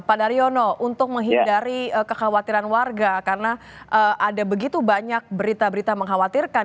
pak daryono untuk menghindari kekhawatiran warga karena ada begitu banyak berita berita mengkhawatirkan